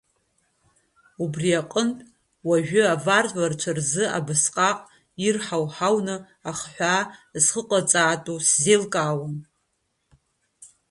Убри аҟнытә уажәы аварварцәа рзы абысҟак ирҳауҳауны ахҳәаа зхыҟаҵаатәу сзеилкаауам.